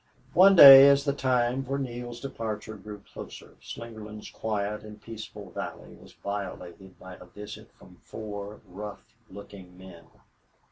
One day, as the time for Neale's departure grew closer, Slingerland's quiet and peaceful valley was violated by a visit from four rough looking men.